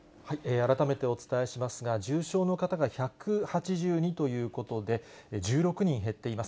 改めてお伝えしますが、重症の方が１８２ということで、１６人減っています。